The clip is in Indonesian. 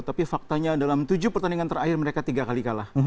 tapi faktanya dalam tujuh pertandingan terakhir mereka tiga kali kalah